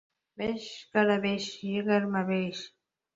Bogʻcha va poliklinika necha oʻrinli boʻladi?